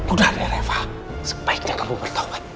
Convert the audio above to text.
udah deh reva sebaiknya kamu bertahun